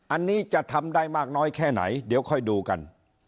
อันนี้จะทำได้มากน้อยแค่ไหนเดี๋ยวค่อยดูกัน